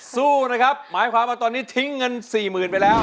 สู้นะครับหมายความว่าตอนนี้ทิ้งเงินสี่หมื่นไปแล้ว